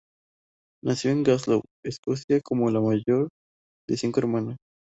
Nació en Glasgow, Escocia, como la mayor de cinco hermanos.